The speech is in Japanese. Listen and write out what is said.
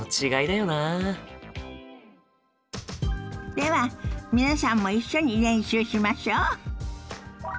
では皆さんも一緒に練習しましょ。